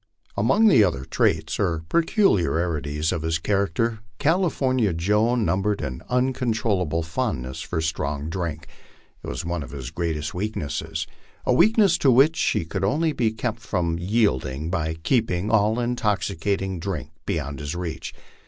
Among the other traits or peculiarities of his character, California Joe numbered an uncontrollable fondness for strong drink; it was his one great weakness a weakness to which he could only be kept from yielding by keeping all intoxi cating drink beyond his reach.